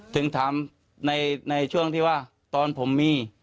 ถึงถามในช่วงที่ว่าตอนผมมี